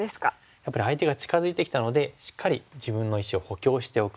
やっぱり相手が近づいてきたのでしっかり自分の石を補強しておく。